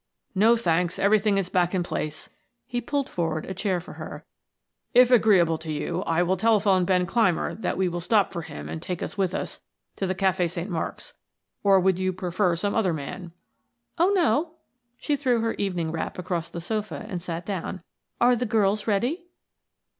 "No, thanks, everything is back in place." He pulled forward a chair for her. "If agreeable to you I will telephone Ben Clymer that we will stop for him and take him with us to the Cafe St. Marks; or would you prefer some other man?" "Oh, no." She threw her evening wrap across the sofa and sat down. "Are the girls ready?"